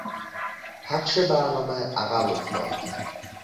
پخش برنامه عقب افتاد.